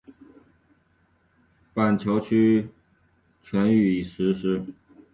板桥区全域已实施。